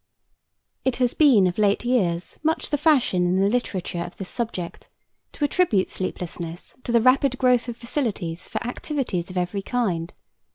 It has been of late years much the fashion in the literature of this subject to attribute sleeplessness to the rapid growth of facilities for activities of every kind.